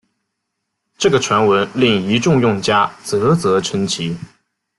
这个传闻令一众用家啧啧称奇！